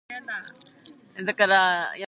Thrombolysis is not without risks.